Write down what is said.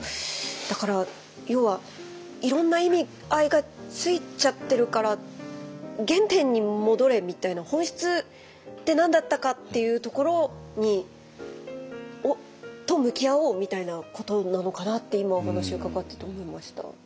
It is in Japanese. だから要はいろんな意味合いがついちゃってるから原点に戻れみたいな本質って何だったかっていうところと向き合おうみたいなことなのかなって今お話伺ってて思いました。